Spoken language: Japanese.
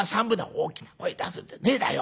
「大きな声出すんじゃねえだよ。